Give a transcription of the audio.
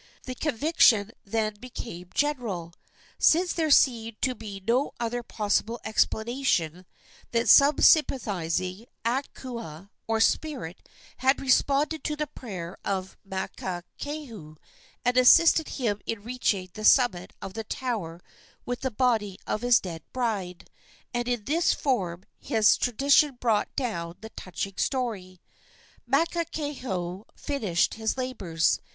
The conviction then became general since there seemed to be no other possible explanation that some sympathizing akua, or spirit, had responded to the prayer of Makakehau, and assisted him in reaching the summit of the tower with the body of his dead bride; and in this form has tradition brought down the touching story. Makakehau finished his labors.